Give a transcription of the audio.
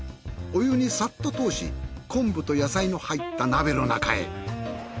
お湯にさっと通し昆布と野菜の入った鍋の中へ。